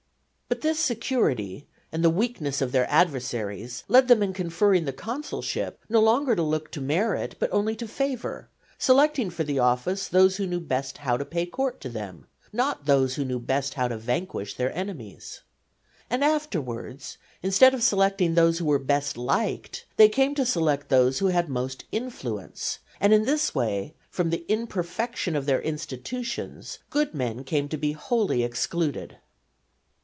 But this security and the weakness of their adversaries led them in conferring the consulship, no longer to look to merit, but only to favour, selecting for the office those who knew best how to pay court to them, not those who knew best how to vanquish their enemies. And afterwards, instead of selecting those who were best liked, they came to select those who had most influence; and in this way, from the imperfection of their institutions, good men came to be wholly excluded.